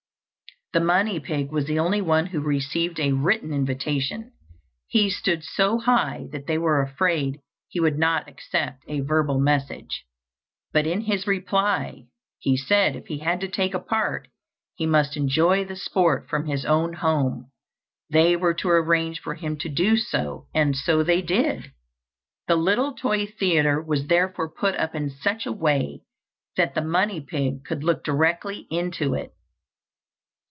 The money pig was the only one who received a written invitation. He stood so high that they were afraid he would not accept a verbal message. But in his reply, he said, if he had to take a part, he must enjoy the sport from his own home; they were to arrange for him to do so; and so they did. The little toy theatre was therefore put up in such a way that the money pig could look directly into it.